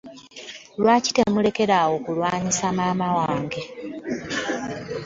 Lwaki temulekera awo kulwanisa maama wange?